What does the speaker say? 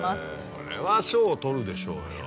これは賞を取るでしょうよ。